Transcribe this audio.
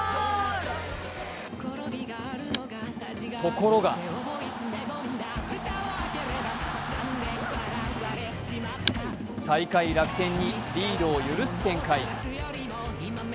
ところが最下位・楽天にリードを許す展開。